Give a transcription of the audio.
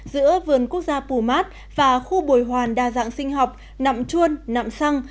giữa vườn quốc gia pumat và khu bồi hoàn đa dạng sinh học nậm chuôn nậm săng